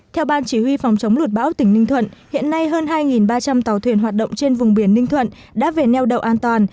theo ban chỉ huy phòng chống luật bão tỉnh ninh thuận hiện nay hơn hai ba trăm linh tàu thuyền hoạt động trên vùng biển ninh thuận đã về neo đậu an toàn